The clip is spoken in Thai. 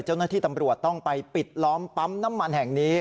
เจ้าหน้าที่ตำรวจต้องไปปิดล้อมปั๊มน้ำมันแห่งนี้